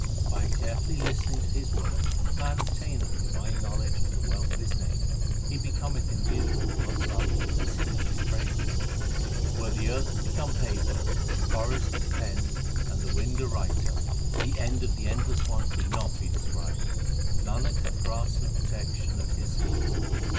By carefully listening to His word man obtameth divine knowledge and the wealth of His name. He becometh imbued with God s love and singeth His praises. Were the earth to become paper, the forests pens, and the wind a writer, The end of the Endless One could not be described ; Nanak hath grasped the protection of His feet.